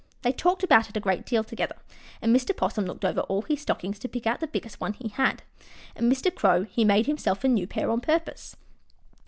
They talked about it a great deal together, and Mr. 'Possum looked over all his stockings to pick out the biggest one he had, and Mr. Crow he made himself a new pair on purpose.